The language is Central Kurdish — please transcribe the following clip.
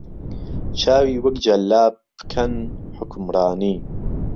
چاوی وەک جهللاب پکەن حوکمرانی